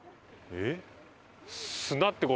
えっ？